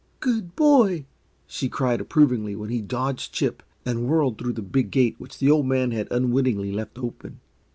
"Good boy!" she cried, approvingly, when he dodged Chip and whirled through the big gate which the Old Man had unwittingly left open.